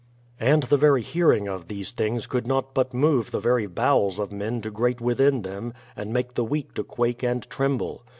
And the very hearing of these things could not but move the very bowels of men to grate within them and make the weak to quake and tremble.